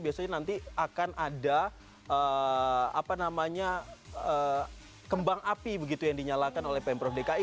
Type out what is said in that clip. biasanya nanti akan ada kembang api begitu yang dinyalakan oleh pemprov dki